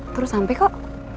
terus sampai kok